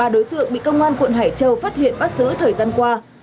ba đối tượng bị công an quận hải châu phát hiện bắt giữ thời gian qua